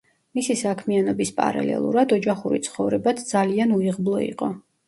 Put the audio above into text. მისი საქმიანობის პარალელურად, ოჯახური ცხოვრებაც ძალიან უიღბლო იყო.